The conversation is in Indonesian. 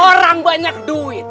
orang banyak duit